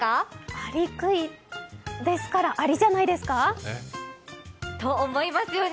アリクイですから、ありじゃないですか？と思いますよね？